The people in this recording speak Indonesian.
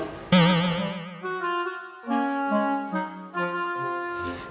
sayur daun kaktek